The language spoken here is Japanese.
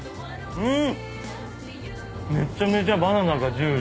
うん。